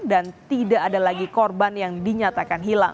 dan tidak ada lagi korban yang dinyatakan hilang